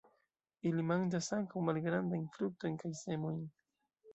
Ili manĝas ankaŭ malgrandajn fruktojn kaj semojn.